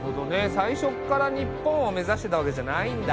最初から日本を目指してたわけじゃないんだ。